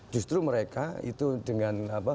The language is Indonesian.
justru mereka itu dengan